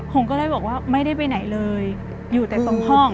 ผมก็เลยบอกว่าไม่ได้ไปไหนเลยอยู่แต่ตรงห้อง